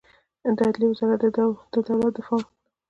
د عدلیې وزارت د دولت مدافع دی